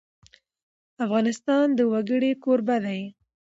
افغانستان د وګړي کوربه دی.